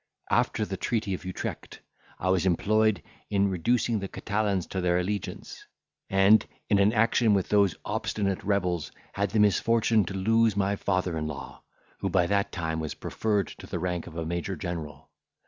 After the treaty of Utrecht, I was employed in reducing the Catalans to their allegiance; and, in an action with those obstinate rebels had the misfortune to lose my father in law, who by that time was preferred to the rank of a major general.